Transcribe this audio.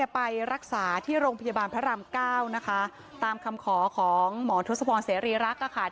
ไปรักษาที่โรงพยาบาลพระรามเก้านะคะตามคำขอของหมอทศพรเสรีรักษ์ค่ะ